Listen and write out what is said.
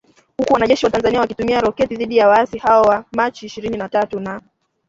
huku wanajeshi wa Tanzania wakitumia roketi dhidi ya waasi hao wa Machi ishirini na tatu na